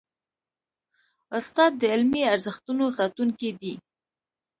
استاد د علمي ارزښتونو ساتونکی دی.